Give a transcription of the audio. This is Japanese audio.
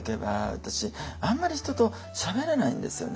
私あんまり人としゃべれないんですよね。